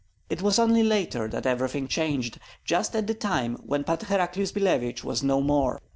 It was only later that everything changed, just at the time when Pan Heraclius Billevich was no more.